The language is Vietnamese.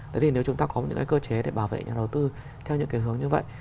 thế thì nếu chúng ta có những cái cơ chế để bảo vệ nhà đầu tư theo những cái hướng như vậy